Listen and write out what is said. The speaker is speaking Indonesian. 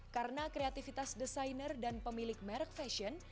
karena kreativitas desainer dan pemilik merek fashion